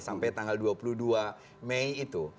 sampai tanggal dua puluh dua mei itu